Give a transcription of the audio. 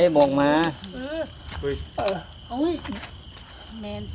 ที่สุดท้าย